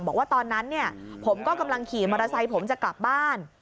บอกว่าตอนนั้นผมก็กำลังขี่มอเตอร์ไซค์ผมจะกลับบ้าน